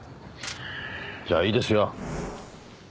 じゃあいいですよ。